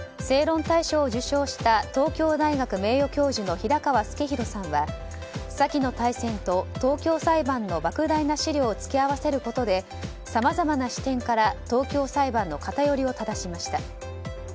正論大賞を受賞した東京大学名誉教授の平川祐弘さんは先の大戦と東京裁判の莫大な資料を突き合わせることでさまざまな視点から東京裁判の偏りをただしました。